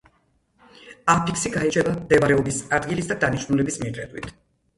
აფიქსი გაირჩევა მდებარეობის ადგილის და დანიშნულების მიხედვით.